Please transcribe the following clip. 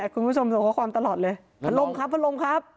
คุณผู้ชมส่งข้อความตลอดเลยพัดลมครับพัดลมครับ